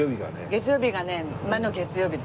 月曜日がね魔の月曜日！